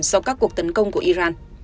sau các cuộc tấn công của iran